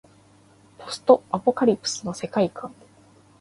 ポストアポカリプスの世界観